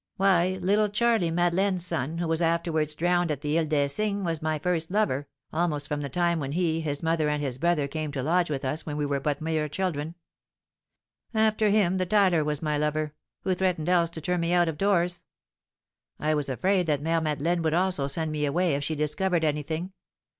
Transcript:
"Why, little Charley, Madeleine's son, who was afterwards drowned at the Ile des Cygnes, was my first lover, almost from the time when he, his mother, and his brother, came to lodge with us when we were but mere children; after him the tiler was my lover, who threatened else to turn me out of doors. I was afraid that Mère Madeleine would also send me away if she discovered anything.